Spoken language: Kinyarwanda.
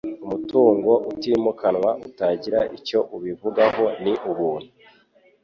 Umutungo utimukanwa utagira icyo ubivugaho ni ubuntu